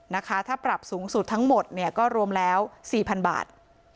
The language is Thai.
นะคะถ้าปรับสูงสุดทั้งหมดเนี่ยก็รวมแล้ว๔๐๐๐บาท